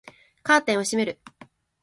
カーテンを閉める